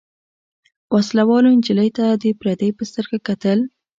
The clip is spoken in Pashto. وسله والو نجلۍ ته د پردۍ په سترګه کتل.